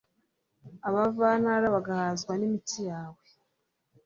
abavantara bagahazwa n'imitsi yawe